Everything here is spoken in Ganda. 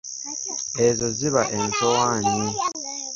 Ezo ziba ensoowaanyi.